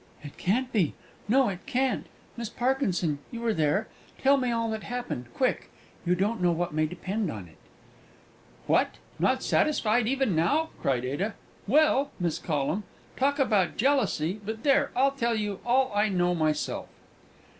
"It can't be no, it can't! Miss Parkinson, you were there: tell me all that happened, quick! You don't know what may depend on it!" "What! not satisfied even now?" cried Ada. "Well, Miss Collum, talk about jealousy! But, there, I'll tell you all I know myself."